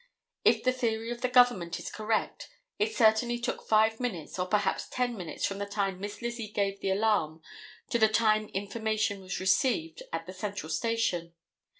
If the theory of the Government is correct, it certainly took five minutes or perhaps ten minutes from the time Miss Lizzie gave the alarm to the time information was received at the Central Station.